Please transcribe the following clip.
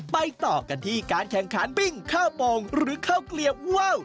ต่อกันที่การแข่งขันวิ่งข้าวโป่งหรือข้าวเกลียบว่าว